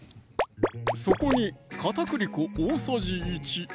そこに片栗粉大さじ１